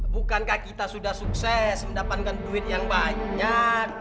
bukankah kita sudah sukses mendapatkan duit yang banyak